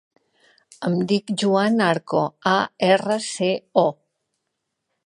Em dic Joan Arco: a, erra, ce, o.